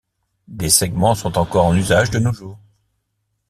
Des segments sont encore en usage de nos jours.